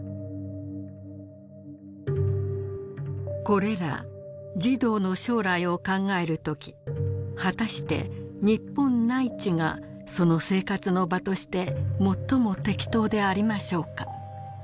「これら児童の将来を考えるとき果たして日本内地がその生活の場として最も適当でありましょうか」。